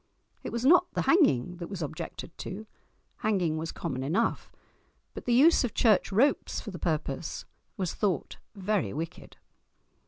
It was not the hanging that was objected to—hanging was common enough; but the use of church ropes for the purpose was thought very wicked!